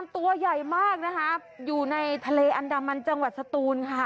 ตัวใหญ่มากนะคะอยู่ในทะเลอันดามันจังหวัดสตูนค่ะ